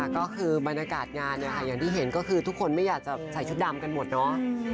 ก็คือบรรยากาศงานอย่างที่เห็นก็คือทุกคนไม่อยากจะใส่ชุดดำกันหมดเนาะ